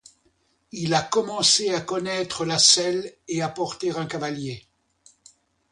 Il a commencé à connaitre la selle, et à porter un cavalier.